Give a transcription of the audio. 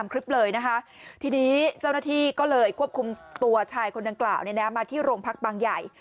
กีดีก็เลยควบคุมตัวชายคนนั้นกล่าวมาที่โรงพักบังใหญ่